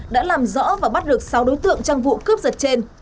đã làm rõ và bắt được sáu đối tượng trong vụ cướp giật trên